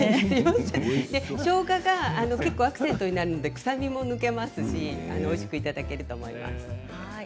しょうががアクセントになりますので、臭みも抜けますしおいしくいただけると思います。